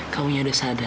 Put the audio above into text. kamunya udah sadar